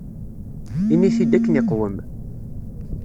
Ini-t-id akken iqwem.